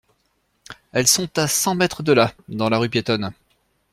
Elles sont à cent mètres de là, dans la rue piétonne.